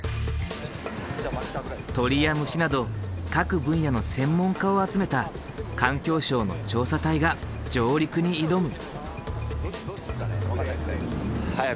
鳥や虫など各分野の専門家を集めた環境省の調査隊が上陸に挑む。